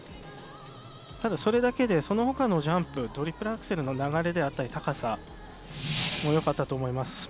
ただ、それだけでそのほかのジャンプトリプルアクセルの流れであったり高さもよかったと思います。